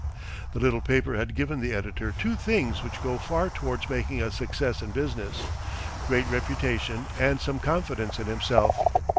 The little paper had given the editor two things which go far towards making a success in business, great reputation and some confidence in himself.